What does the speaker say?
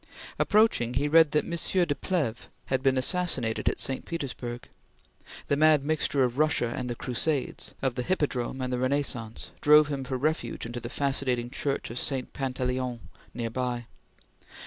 Approaching, he read that M. de Plehve had been assassinated at St. Petersburg. The mad mixture of Russia and the Crusades, of the Hippodrome and the Renaissance, drove him for refuge into the fascinating Church of St. Pantaleon near by.